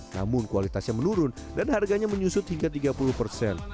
namun kualitasnya menurun dan harganya menyusut hingga tiga puluh persen